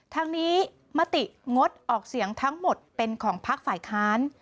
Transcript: ทั้งนี้มติงดออกเสียงทั้งหมดเป็นของพักฝ่ายค้าน